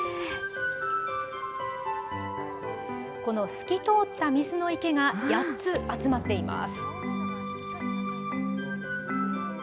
この透き通った水の池が８つ集まっています。